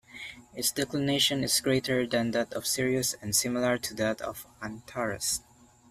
Its declination is greater than that of Sirius and similar to that of Antares.